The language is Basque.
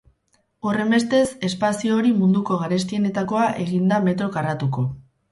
Horrenbestez, espazio hori munduko garestienetakoa egin da metro karratuko.